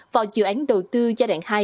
vào dự án đầu tư giai đoạn hai